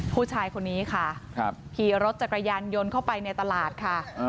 ผู้ชายคนนี้ค่ะขี่รถจักรยานยนต์เข้าไปในตลาดค่ะ